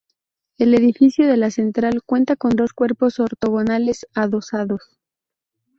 El edificio de la Central cuenta con dos cuerpos ortogonales adosados.